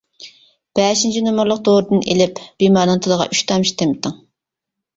بەشىنچى نومۇرلۇق دورىدىن ئېلىپ، بىمارنىڭ تىلىغا ئۈچ تامچە تېمىتىڭ!